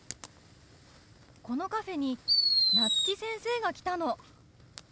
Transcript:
このカフェに夏木先生が来たの！